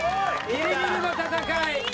ギリギリの戦い。